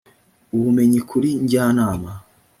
ubumenyi kuri njyanama